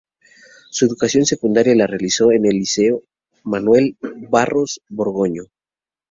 Su educación secundaria la realizó en el Liceo Manuel Barros Borgoño.